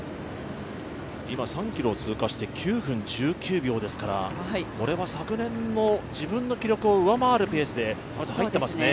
今３ｋｍを通過して９分１９秒ですから、これは昨年の自分の記録を上回るペースで入っていますね。